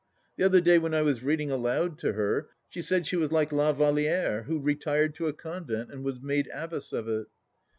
The other day when I was reading aloud to her she said she was like La Valliere, who retired to a convent and was made abbess of it.